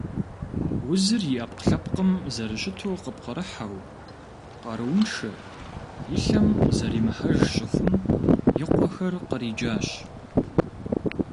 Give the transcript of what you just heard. Узыр и ӏэпкълъэпкъым зэрыщыту къыпкърыхьэу, къарууншэ, и лъэм зэримыхьэж щыхъум, и къуэхэр къриджащ.